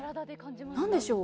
何でしょう。